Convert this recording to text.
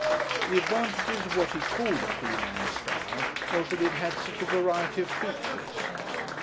The advantages of what he called a Queen Anne style was that it had such a variety of features....